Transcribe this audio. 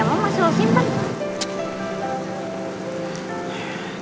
emang masih lu simpen